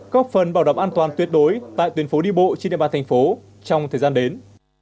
có phần bảo đảm an toàn tuyệt đối tại tuyến phố đi bộ trên đêm ba thành phố trong thời gian đến